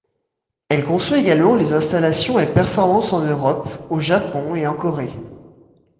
Elle conçoit également les installations et performances en Europe, au Japon et en Corée.